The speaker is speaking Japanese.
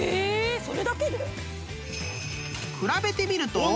それだけで？